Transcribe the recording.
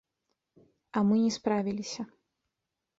А мы не справіліся.